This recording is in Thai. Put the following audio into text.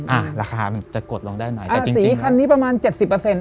อ่าราคามันจะกดลงได้ไหนแต่จริงสีคันนี้ประมาณเจ็ดสิบเปอร์เซ็น